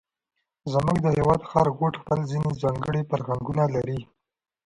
زموږ د هېواد هر ګوټ خپل ځېنې ځانګړي فرهنګونه لري،